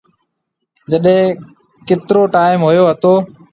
جڏي ڪيترو ٽيم هوئيو هتو۔